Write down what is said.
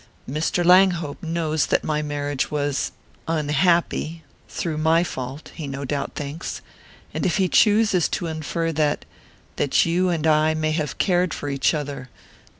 "Mr. Langhope knows that my marriage was...unhappy; through my fault, he no doubt thinks. And if he chooses to infer that...that you and I may have cared for each other...